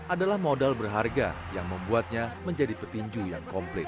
adalah modal berharga yang membuatnya menjadi petinju yang komplit